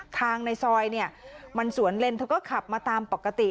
ทางในซอยเนี่ยมันสวนเลนเธอก็ขับมาตามปกติ